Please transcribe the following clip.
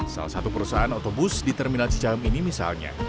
salah satu perusahaan otobus di terminal cicahem ini misalnya